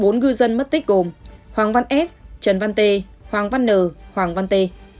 bốn ngư dân mất tích gồm hoàng văn s trần văn t hoàng văn n hoàng văn t